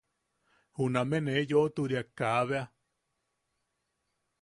Juname ne yoʼoturiak ka bea.